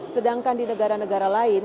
sedangkan di negara negara lain